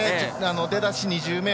出だし２０ｍ。